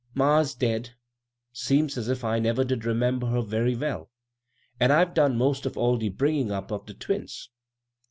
" Ma's dead. Seems as if I never did remember her very well, an' I've done 'most all de bringin' up of de twins.